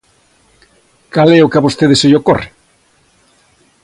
¿Cal é o que a vostede se lle ocorre?